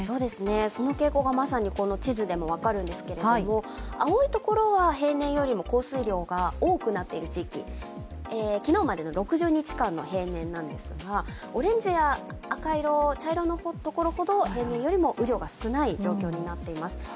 その傾向がまさに、この地図でも分かるんですけれども、青いところは平年よりも降水量が多くなっている地域、昨日までの６０日間の平年なんですが、オレンジや赤色、茶色のところほど平年よりも雨量が少ない状況になっています。